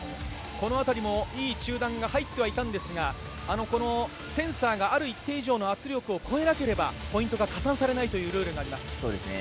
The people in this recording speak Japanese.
この辺りもいい中段が入っていたんですがセンサーがある一定以上の圧力を超えなければポイントが加算されないルールがあります。